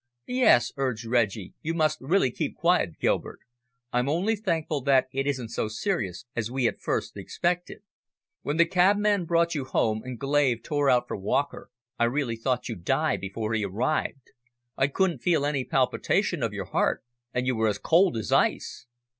"Yes," urged Reggie, "you must really keep quiet, Gilbert. I'm only thankful that it isn't so serious as we at first expected. When the cabman brought you home and Glave tore out for Walker, I really thought you'd die before he arrived. I couldn't feel any palpitation of your heart, and you were cold as ice."